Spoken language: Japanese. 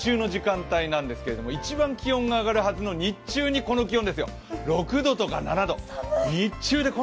日中の時間帯なんですけど、一番気温が上がるはずの日中にこの気温ですよ。